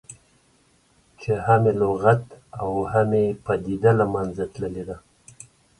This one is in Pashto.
چې هم یې لغت او هم یې پدیده له منځه تللې ده.